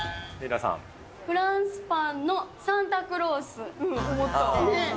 フランスパンのサンタクロー思った。